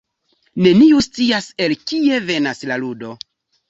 Neniu scias el kie venas La Ludo.